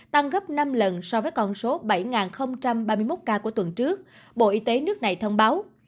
tăng gấp năm lần so với con số bảy ba mươi một ca của tuần trước bộ y tế nước này thông báo